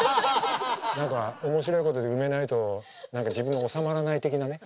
何か面白いことで埋めないと何か自分が収まらない的なね。